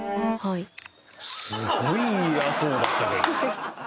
すごい嫌そうだったけど。